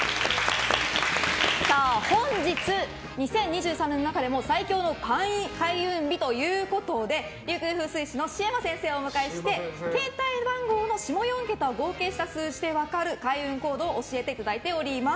本日、２０２３年の中でも最強の開運日ということで琉球風水志のシウマ先生をお迎えして携帯番号の下４桁を合計した数字で分かる開運行動を教えていただいています。